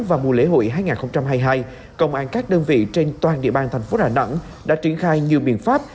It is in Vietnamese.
vào năm hai nghìn hai mươi công an các đơn vị trên toàn địa bàn thành phố đà nẵng đã triển khai nhiều biện pháp